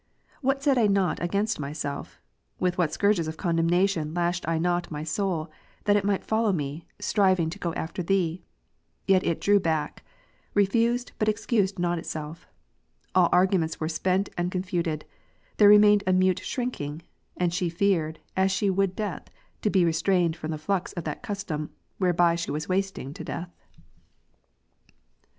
What said I not against myself? with what scourges of condemnation lashed I not my soul, that it might follow me, striving to go after Thee ! Yet it drew back ; re fused, but excused not itself. AH arguments were spent and confuted ; there remained a mute shrinking ; and she feared, as she would death, to be restrained from the flux of that custom, whereby she was Avasting to death.